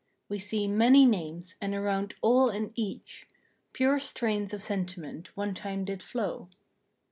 We see many names and around all and each Pure strains of sentiment one time did flow.